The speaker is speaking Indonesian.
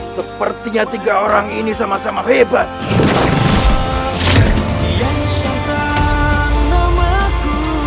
sepertinya tiga orang ini sama sama hebat